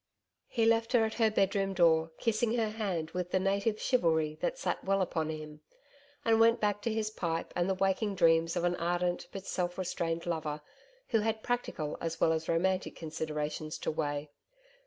He left her at her bedroom door, kissing her hand with the native chivalry that sat well upon him, and went back to his pipe and the waking dreams of an ardent but self restrained lover who had practical as well as romantic considerations to weigh.